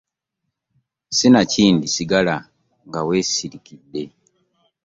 Sinakindi sigala nga we sirikidde.